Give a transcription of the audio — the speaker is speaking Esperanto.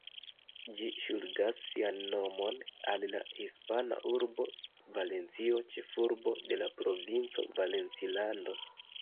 Ĝi ŝuldas sian nomon al la hispana urbo Valencio, ĉefurbo de la provinco Valencilando.